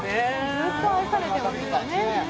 ずっと愛されてるからね。